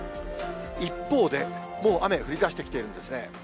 一方で、もう雨、降りだしてきているんですね。